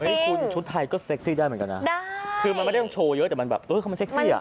นี่คุณชุดไทยก็เซ็กซี่ได้เหมือนกันนะคือมันไม่ได้ต้องโชว์เยอะแต่มันแบบเออเขามันเซ็กซี่อ่ะ